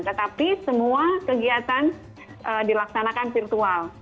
tetapi semua kegiatan dilaksanakan virtual